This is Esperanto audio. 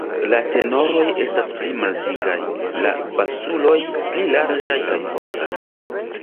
La tenoroj estas pli maldikaj, la basuloj pli larĝaj kaj fortaj.